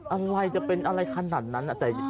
อะไรจะเป็นอะไรขนาดนั้นน่ะแต่